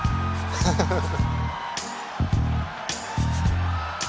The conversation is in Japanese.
ハハハハ。